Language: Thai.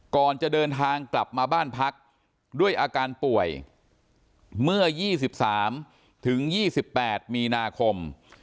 ก่อนจะเดินทางกลับมาบ้านพักด้วยอาการป่วยเมื่อ๒๓ถึง๒๘มีนาคม